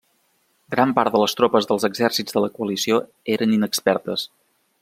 Gran part de les tropes dels exèrcits de la Coalició eren inexpertes.